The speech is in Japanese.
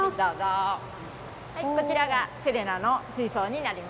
はいこちらがセレナの水槽になります。